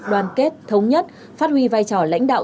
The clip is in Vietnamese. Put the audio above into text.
đoàn kết thống nhất phát huy vai trò lãnh đạo